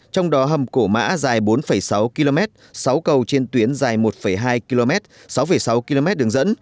trong đó hầm cổ mã dài bốn sáu km sáu cầu trên tuyến dài một hai km sáu sáu km đường dẫn